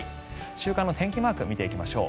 週間の天気マークを見ていきましょう。